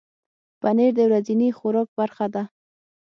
پنېر د ورځني خوراک برخه ده.